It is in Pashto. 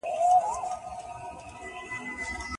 په ټولنه کې چې علم ته ارزښت وي، پرمختګ به ونه درېږي.